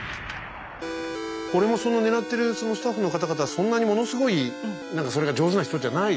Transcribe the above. これもその狙ってるそのスタッフの方々はそんなにものすごいそれが上手な人じゃない。